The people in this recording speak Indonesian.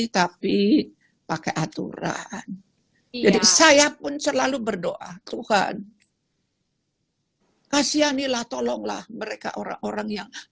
tapi pakai aturan jadi saya pun selalu berdoa tuhan kasihanilah tolonglah mereka orang orang yang